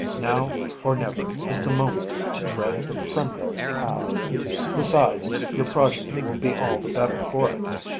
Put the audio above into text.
Now or never is the moment to tread the primrose path. Besides, your progeny will be all the better for it.